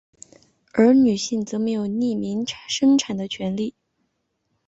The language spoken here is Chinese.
而女性则没有匿名生产的权力。